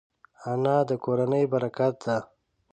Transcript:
انا د کورنۍ برکت ده